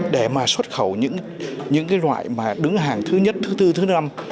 để mà xuất khẩu những loại mà đứng hàng thứ nhất thứ tư thứ năm